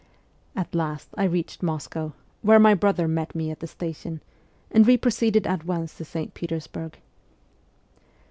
At last I reached Moscow, where my brother met me at the station, and we proceeded at once to St. Petersburg.